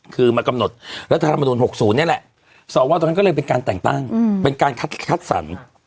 คือมากำหนดรัฐธรรมนุน๖๐นี่แหละสวตรงนั้นก็เลยเป็นการแต่งตั้งเป็นการคัดสรร